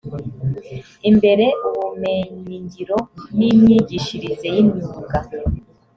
imbere ubumenyingiro n imyigishirize y imyuga